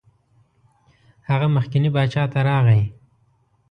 هغه مخکني باچا ته راغی.